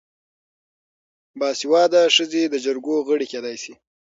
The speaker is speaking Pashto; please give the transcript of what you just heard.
باسواده ښځې د جرګو غړې کیدی شي.